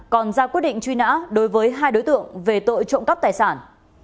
còn ra quyết định truy nã đối với hai đối tượng về tội trộm cắp tài sản